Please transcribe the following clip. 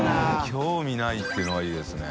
興味ない」っていうのがいいですね。